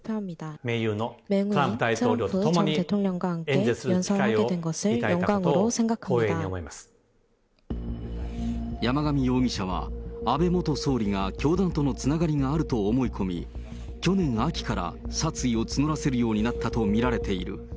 盟友のトランプ大統領と共に演説する機会をいただいたことを光栄山上容疑者は、安倍元総理が教団とのつながりがあると思い込み、去年秋から殺意を募らせるようになったと見られている。